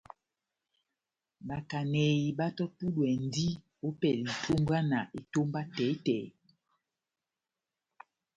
Bakaneyi batɔ́tudwɛndi opɛlɛ ya itumbwana etómba tɛhi-tɛhi.